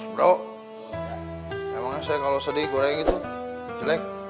bro emangnya saya kalau sedih goreng gitu jelek